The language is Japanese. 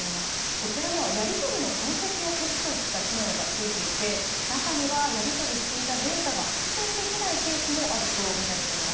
こちらにはやり取りの痕跡を消すといった機能がついていて中にはやり取りしていたデータが復元できないケースもあるとみられています。